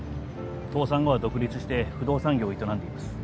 倒産後は独立して不動産業を営んでいます。